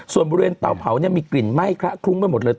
ส่วนบริเวณเตาเผาเนี่ยมีกลิ่นไหม้คละคลุ้งไปหมดเลย